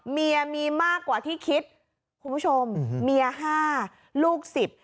เมียมีมากกว่าที่คิดคุณผู้ชมเมียห้าลูกสิบ